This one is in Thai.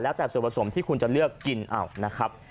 แล้วแต่ส่วนผสมที่คุณจะเลือกกินเอานะครับ